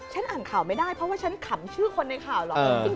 ฉันอ่านข่าวไม่ได้เพราะว่าฉันขำชื่อคนในข่าวหรอก